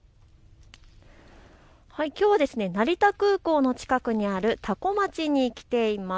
きょうは成田空港の近くにある多古町に来ています。